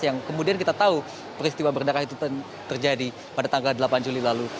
yang kemudian kita tahu peristiwa berdarah itu terjadi pada tanggal delapan juli lalu